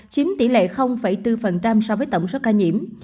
chiếm tỷ lệ bốn so với tổng số ca nhiễm